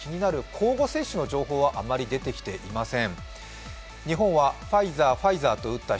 交互接種の情報はあまり出てきていません。